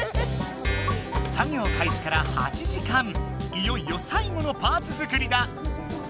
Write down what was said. いよいよ最後のパーツ作りだ。